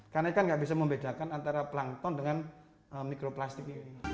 karena ikan gak bisa membedakan antara plankton dengan mikroplastik